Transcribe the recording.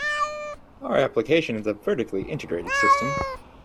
Our application is a vertically integrated system.